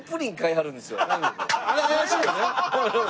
あれ怪しいよね。